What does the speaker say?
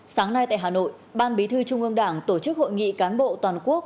sáng nay tại hà nội ban bí thư trung ương đảng tổ chức hội nghị cán bộ toàn quốc